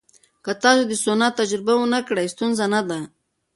که تاسو د سونا تجربه ونه کړئ، ستونزه نه ده.